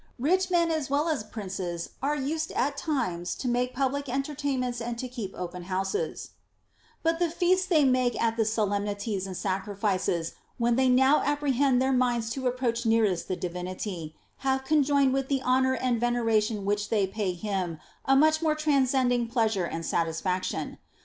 Rich men as well as princes are used at certain times to make pub lic entertainments and to keep open houses ; but the feasts they make at the solemnities and sacrifices, when they now apprehend their minds to approach nearest the Divinity, have conjoined with the honor and veneration which they pay him a much more transcending pleasure and satisfaction.